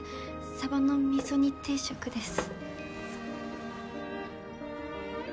サバの味噌煮定食です。